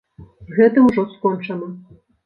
З гэтым ужо скончана!